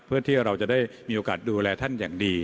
เพื่อที่เราจะได้มีโอกาสดูแลท่านอย่างดี